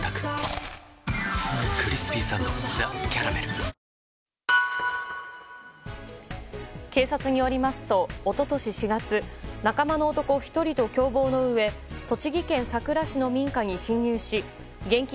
イライラには緑の漢方セラピー警察によりますと、一昨年４月仲間の男１人と共謀のうえ栃木県さくら市の民家に侵入し現金